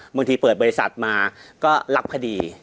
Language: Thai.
บางทีเปิดบริษัทมาก็รับพอดี